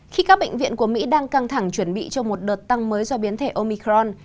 khi các bệnh viện của mỹ đang căng thẳng chuẩn bị cho một đợt tăng mới do biến thể omicron